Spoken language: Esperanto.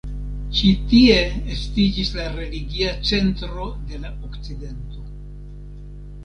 Ĉi tie estiĝis la religia centro de la okcidento.